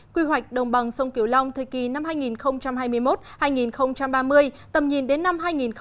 quy hoạch đồng bằng sông kiểu long thời kỳ năm hai nghìn hai mươi một hai nghìn ba mươi tầm nhìn đến năm hai nghìn năm mươi